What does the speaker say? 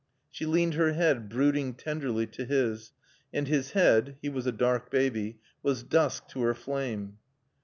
She leaned her head, brooding tenderly, to his, and his head (he was a dark baby) was dusk to her flame.